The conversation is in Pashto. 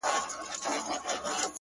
تا راته نه ويل د کار راته خبري کوه -